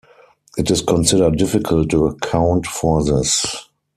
It is considered difficult to account for this...